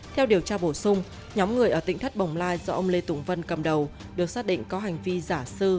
theo điều tra bổ sung nhóm người ở tỉnh thất bồng lai do ông lê tùng vân cầm đầu được xác định có hành vi giả sư